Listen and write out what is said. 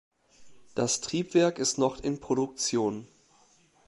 Das Triebwerk ist noch in Produktion.